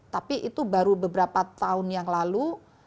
tapi itu baru beberapa tahun yang lalu